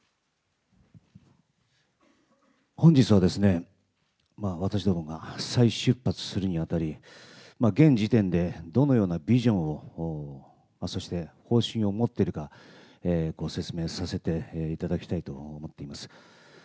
本日はですね、私どもが再出発するにあたり、現時点でどのようなビジョンを、そして、方針を持っているかご説明させていただきたいと思っています。